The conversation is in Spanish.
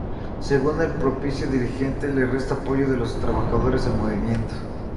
Según el propio dirigente, le resta apoyo de los trabajadores al movimiento.